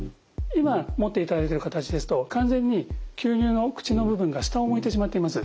今持っていただいてる形ですと完全に吸入の口の部分が下を向いてしまっています。